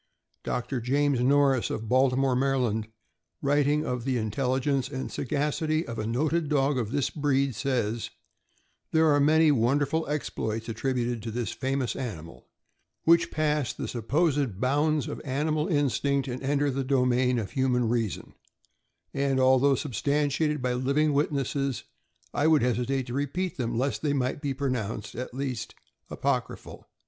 Dr. James Norris, of Baltimore, Md., writing of the intelligence and sagacity of a noted dog of this breed, says: There are many wonderful exploits attributed to this famous animal, which pass the supposed bounds of animal instinct and enter the domain of human reason; and although substantiated by living witnesses, I would hesi tate to repeat them, lest they might be pronounced, at least, apocryphal.